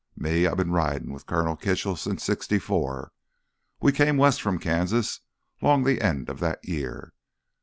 Me, I've been ridin' with Colonel Kitchell since '64. We come west from Kansas 'long th' end of that year.